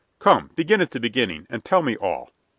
Come, begin at the beginning, and tell me all."